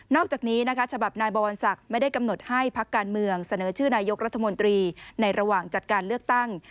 จากนี้นะคะฉบับนายบวรศักดิ์ไม่ได้กำหนดให้พักการเมืองเสนอชื่อนายกรัฐมนตรีในระหว่างจัดการเลือกตั้ง